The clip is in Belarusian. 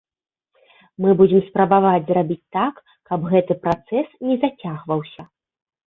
Мы будзем спрабаваць зрабіць так, каб гэты працэс не зацягваўся.